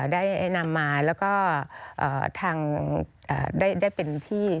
ได้นำมาแล้วก็ทางได้เป็นที่